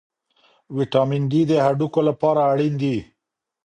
ویټامن ډي د هډوکو لپاره اړین دی.